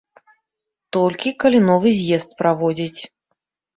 Толькі калі новы з'езд праводзіць.